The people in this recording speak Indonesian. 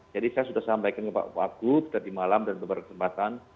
jadi saya sudah sampaikan kepada pak wakud tadi malam dan beberapa kesempatan